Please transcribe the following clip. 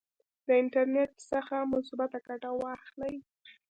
د انټرنیټ څخه مثبته ګټه واخلئ.